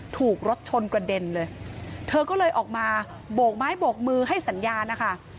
ถูกรถชนกระเด็นเลยเธอก็เลยออกมาโบกไม้โบกมือให้สัญญาณนะคะ